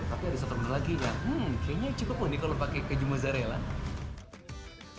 tapi ada satu menu lagi yang hmm kayaknya cukup kok nih kalau pakai keju mozzarella